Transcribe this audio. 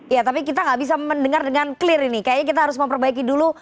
ya tapi kita nggak bisa mendengar dengan clear ini kayaknya kita harus memperbaiki dulu